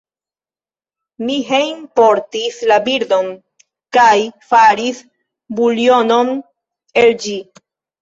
Mi hejmportis la birdon, kaj faris buljonon el ĝi.